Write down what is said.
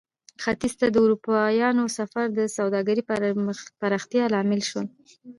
ختیځ ته د اروپایانو سفرونه د سوداګرۍ پراختیا لامل شول.